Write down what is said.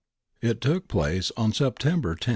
It took place on September lo.